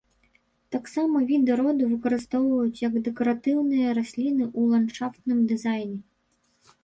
Таксама віды роду выкарыстоўваюць як дэкаратыўныя расліны ў ландшафтным дызайне.